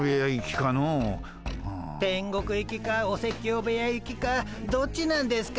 天国行きかお説教部屋行きかどっちなんですか？